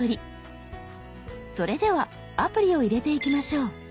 それではアプリを入れていきましょう。